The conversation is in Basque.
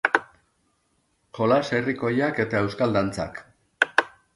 Jolas herrikoiak eta euskal dantzak.